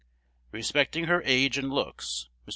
Respecting her age and looks, Miss.